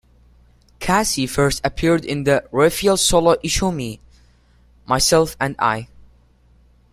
Casey first appeared in the Raphael solo issue Me, Myself and I.